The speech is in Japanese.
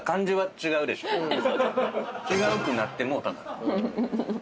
違うくなってもうたから。